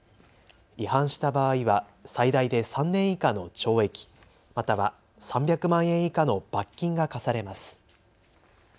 違反した場合は最大で３年以下の懲役、または３００万円以下の罰金が科されます。